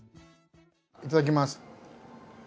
いただきます。